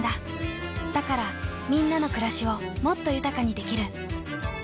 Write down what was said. だからみんなの暮らしをもっと豊かにできる。